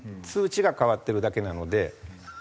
通知が変わってるだけなので。